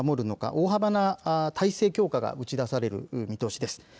大幅な体制強化が打ち出される見通しです。